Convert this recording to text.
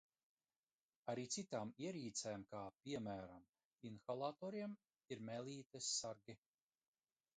Arī citām ierīcēm kā, piemēram, inhalatoriem ir mēlītes sargi.